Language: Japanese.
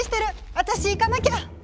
私行かなきゃ！